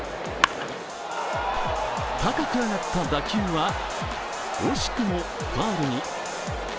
高く上がった打球は惜しくもファウルに。